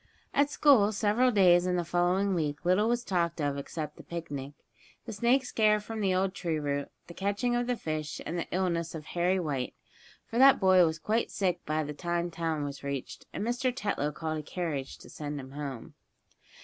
At school several days in the following week little was talked of except the picnic, the snake scare from the old tree root, the catching of the fish, and the illness of Harry White, for that boy was quite sick by the time town was reached, and Mr. Tetlow called a carriage to send him home.